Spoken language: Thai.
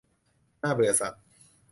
น่าเบื่อสัส